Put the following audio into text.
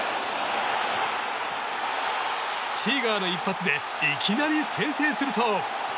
シーガーの一発でいきなり先制すると。